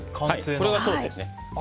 これがソースです。